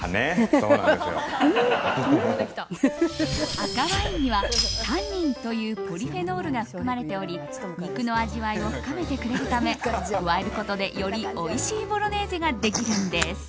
赤ワインにはタンニンというポリフェノールが含まれており肉の味わいを深めてくれるため加えることでよりおいしいボロネーゼができるんです。